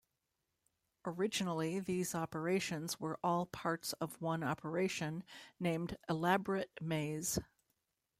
Originally, these operations were all parts of one operation named Elaborate Maze.